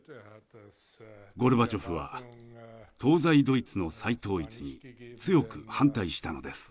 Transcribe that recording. ゴルバチョフは東西ドイツの再統一に強く反対したのです。